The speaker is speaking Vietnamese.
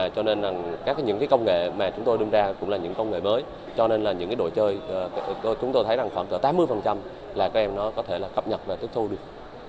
các công nghệ mà chúng tôi đưa ra cũng là những công nghệ mới cho nên những đội chơi chúng tôi thấy khoảng tám mươi là các em có thể cập nhật và tiếp thu được